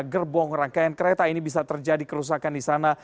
gerbong rangkaian kereta ini bisa terjadi kerusakan di sana